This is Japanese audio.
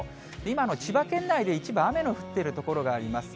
今、千葉県内で一部、雨の降ってる所があります。